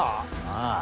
ああ。